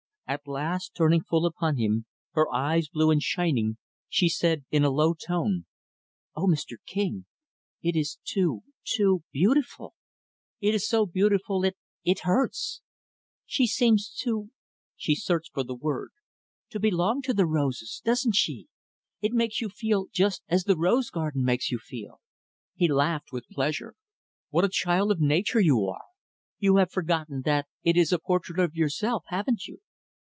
At last, turning full upon him, her eyes blue and shining, she said in a low tone, "O Mr. King, it is too too beautiful! It is so beautiful it it hurts. She seems to, to" she searched for the word "to belong to the roses, doesn't she? It makes you feel just as the rose garden makes you feel." He laughed with pleasure, "What a child of nature you are! You have forgotten that it is a portrait of yourself, haven't you?"